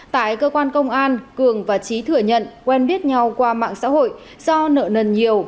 tại cơ quan công an cường và trí thừa nhận quen biết nhau qua mạng xã hội do nợ nần nhiều